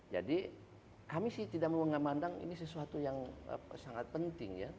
jadi kami sih tidak mau mengamandang ini sesuatu yang sangat penting ya